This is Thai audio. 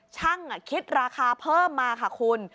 คิดราคาเพิ่มมาค่ะคุณ